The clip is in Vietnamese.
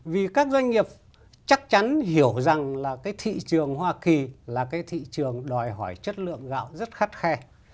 vì các doanh nghiệp chắc chắn hiểu rằng là cái thị trường hoa kỳ là cái thị trường đòi hỏi chất lượng gạo rất khắt khe